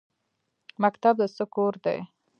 مکتب د څه کور دی؟